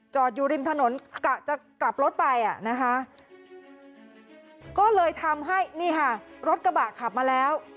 จอดอยู่ริมถนนกลับรถไปนะคะก็เลยทำให้นี่ค่ะลดกระบะขับมาแล้ว